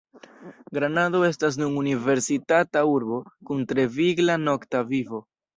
Granado estas nun universitata urbo, kun tre vigla nokta vivo.